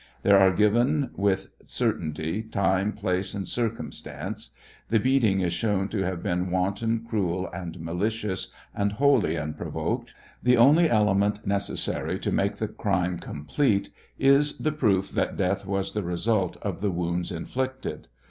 There are given, with certainty, time, place, and circun stance. 'I'he beating is shown to have been wanton, cruel, and malicious, an wholly unprovoked. The only element necessary to make the crime complete : the proof that death was the result of the wounds inflicted.